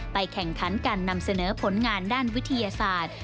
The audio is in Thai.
แข่งขันการนำเสนอผลงานด้านวิทยาศาสตร์